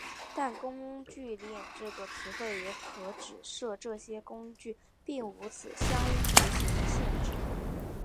但工具链这个词汇也可指涉这些工具并无此相依执行的限制。